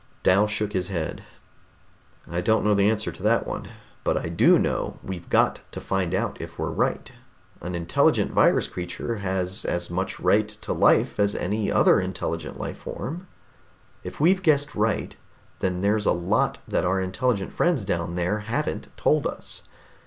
Dal shook his head. "I don't know the answer to that one, but I do know we've got to find out if we're right. An intelligent virus creature has as much right to life as any other intelligent life form. If we've guessed right, then there's a lot that our intelligent friends down there haven't told us.